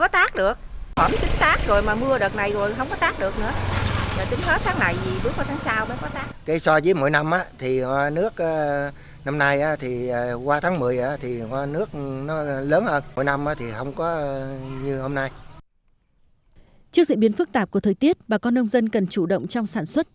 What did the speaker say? trước diễn biến phức tạp của thời tiết bà con nông dân cần chủ động trong sản xuất